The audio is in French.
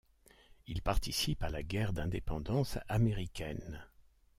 Il participe à la guerre d’indépendance américaine.